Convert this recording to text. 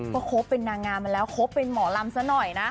ก็คบเป็นนางงามมาแล้วคบเป็นหมอลำซะหน่อยนะ